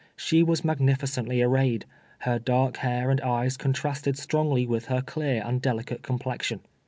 She was magnifi cently arrayed. Her dark hair and eyes contrasted strongly with her clear and delicate complexion.